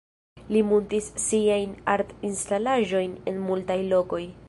Li muntis siajn art-instalaĵojn en multaj lokoj.